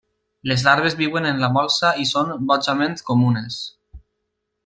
Les larves viuen en la molsa i són bojament comunes.